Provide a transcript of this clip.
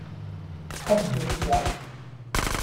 Ṭebbget sya!